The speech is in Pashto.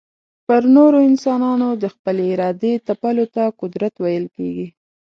پر نورو انسانانو د خپلي ارادې تپلو ته قدرت ويل کېږي.